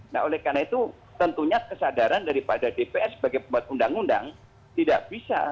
nah oleh karena itu tentunya kesadaran daripada dpr sebagai pembuat undang undang tidak bisa